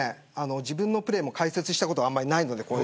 自分のプレーも解説したことがあんまりないので。